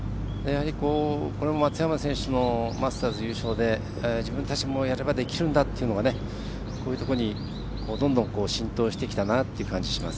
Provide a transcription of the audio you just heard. これも松山選手のマスターズ優勝で自分たちもやればできるんだというのをこういうところにどんどん浸透してきたなという感じがします。